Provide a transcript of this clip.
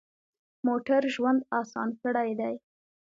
موټر ژوند اسان کړی دی.